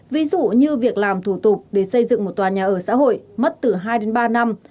ví dụ như việc làm thủ tục để xây dựng một tòa nhà ở xã hội mất từ hai đến ba năm